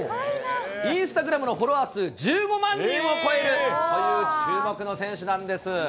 インスタグラムのフォロワー数、１５万人を超えるという注目の選手なんです。